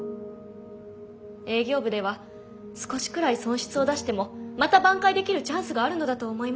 営業部では少しくらい損失を出してもまた挽回できるチャンスがあるのだと思います。